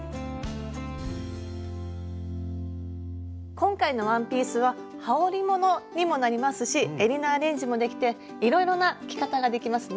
今回のワンピースははおりものにもなりますしえりのアレンジもできていろいろな着方ができますね。